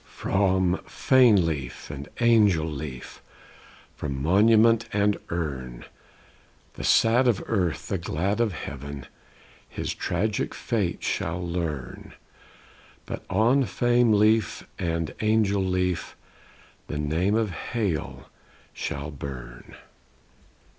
From Fame leaf and Angel leaf, From monument and urn, The sad of earth, the glad of heaven, His tragic fate shall learn; But on Fame leaf and Angel leaf The name of HALE shall burn!